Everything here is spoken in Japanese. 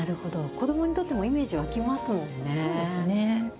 子どもにとってもイメージ湧きますもんね。